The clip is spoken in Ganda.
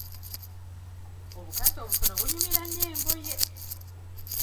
Obukazi obutono bunyumira nnyo engoye.